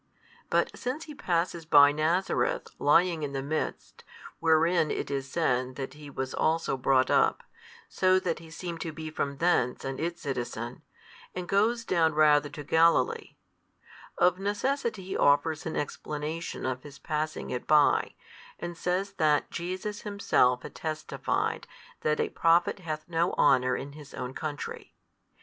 But since He passes by Nazareth lying in the midst, wherein it is said that He was also brought up, so that He seemed to be from thence and its citizen, and goes down rather to Galilee; of necessity he offers an explanation of His passing it by, and says that Jesus Himself had testified that a prophet hath no honour in his own country.